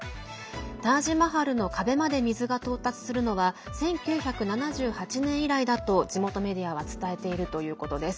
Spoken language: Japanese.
タージ・マハルの壁まで水が到達するのは１９７８年以来だと地元メディアは伝えているということです。